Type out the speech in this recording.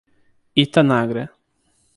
Itanagra